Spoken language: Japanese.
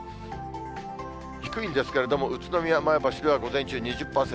低いんですけれども、宇都宮、前橋では午前中２０％。